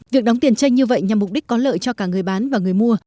việc đóng tiền tranh như vậy nhằm mục đích có lợi cho cả người bán và người mua